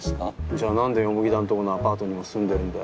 じゃあ何で田んとこのアパートにも住んでるんだよ？